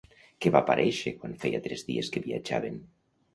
Què va aparèixer quan feia tres dies que viatjaven?